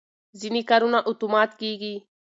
ځینې کارونه اتومات کېږي.